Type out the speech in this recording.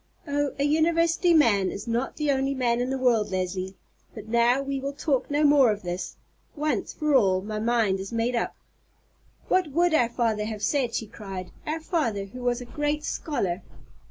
Oh, a university man is not the only man in the world, Leslie. But now we will talk no more of this. Once for all, my mind is made up." "What would our father have said," she cried; "our father, who was a great scholar?"